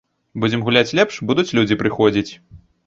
Будзем гуляць лепш, будуць людзі прыходзіць.